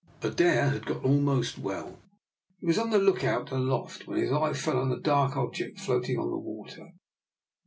Adair had got almost well: he was on the lookout aloft, when his eye fell on a dark object floating on the water.